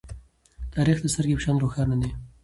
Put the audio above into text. تاریخ د سترگې په شان روښانه ده.